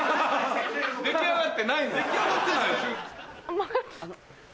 出来上がってないもん。